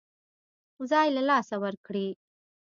ځای له لاسه ورکړي.